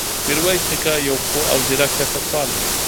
میرویس نیکه یو پوه او زیرک سیاستوال و.